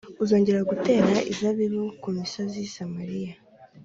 Uzongera gutera inzabibu ku misozi y i Samariya